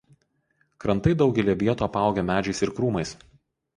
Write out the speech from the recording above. Krantai daugelyje vietų apaugę medžiais ir krūmais.